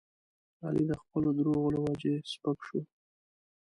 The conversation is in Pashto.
علي د خپلو دروغو له وجې سپک شو.